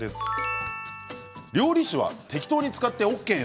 料理酒は適当に使ってＯＫよ